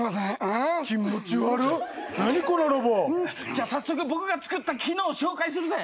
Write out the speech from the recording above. じゃあ早速僕が作った機能を紹介するぜ。